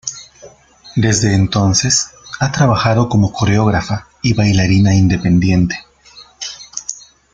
Desde entonces, ha trabajado como coreógrafa y bailarina independiente.